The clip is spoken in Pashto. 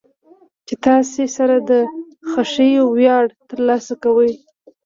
چې تاسې سره د خېښۍ وياړ ترلاسه کو.